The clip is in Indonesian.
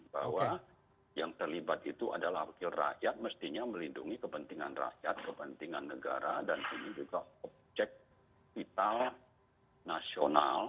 bahwa yang terlibat itu adalah wakil rakyat mestinya melindungi kepentingan rakyat kepentingan negara dan ini juga objek vital nasional